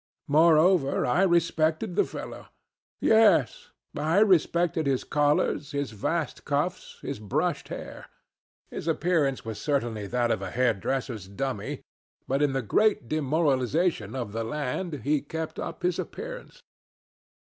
Moreover, I respected the fellow. Yes; I respected his collars, his vast cuffs, his brushed hair. His appearance was certainly that of a hairdresser's dummy; but in the great demoralization of the land he kept up his appearance.